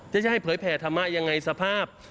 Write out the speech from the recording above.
จะให้เผยแผ่ธรรมะยังไงสภาพ